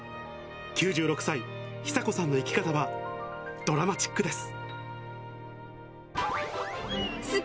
９６歳、久子さんの生き方は、ドラマチックです。